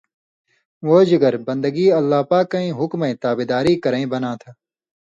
وہ جگر بندگی اللہ پاکاں حُکمئیں تابعداری کرئیں بناتھہ۔